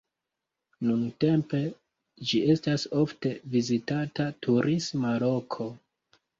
Nuntempe ĝi estas ofte vizitata turisma loko.